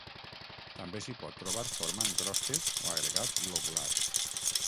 També s'hi pot trobar formant crostes o agregats globulars.